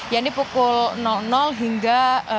yang di pukul hingga satu